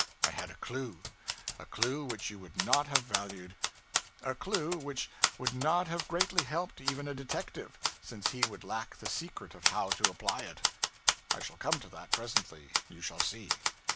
I had a clue a clue which you would not have valued a clue which would not have greatly helped even a detective, since he would lack the secret of how to apply it. I shall come to that, presently you shall see.